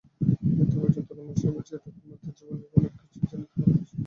মৃত্যু পর্যন্ত অন্যমনস্ক বঁচিয়া থাকার মধ্যে জীবনের অনেক কিছুই যেন তাহার অপচয়িত হইয়া যাইবে।